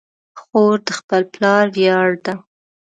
خور د خپل پلار ویاړ ده.